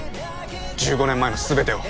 １５年前の全てを。